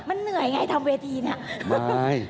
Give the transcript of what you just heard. มันเหนื่อยไงทำเวทีเนี่ย